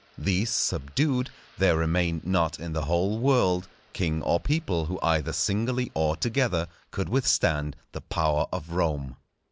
These subdued, there remained not in the whole world, king or people who either singly or together could withstand the power of Rome.